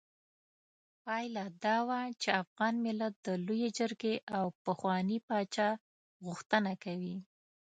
پايله دا وه چې افغان ملت د لویې جرګې او پخواني پاچا غوښتنه کوي.